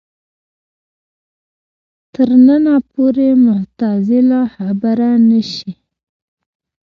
تر ننه پورې معتزله خبره نه شي